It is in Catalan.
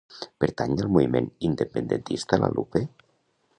Pertany al moviment independentista la Lupe?